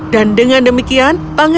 dan dengan demikian pangeran sunshine menerima